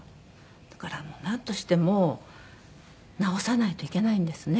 だからもうなんとしても治さないといけないんですね。